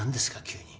急に。